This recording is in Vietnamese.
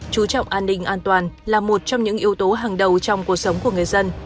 chú trọng an ninh an toàn là một trong những yếu tố hàng đầu trong cuộc sống